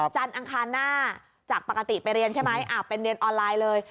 อังคารหน้าจากปกติไปเรียนใช่ไหมเป็นเรียนออนไลน์เลย